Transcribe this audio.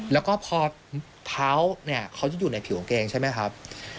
แล้วก็พอเท้าเนี่ยเขาจะอยู่ในผิวกางเกงใช่ไหมครับ